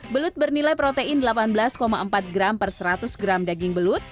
belut bernilai protein delapan belas empat gram per seratus gram daging belut